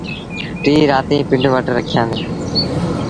ٽيٚه رآتيٚن پنڊ وٽ رکيآݩدي۔